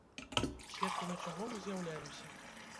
Сведкамі чаго мы з'яўляемся?